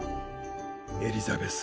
エリザベス。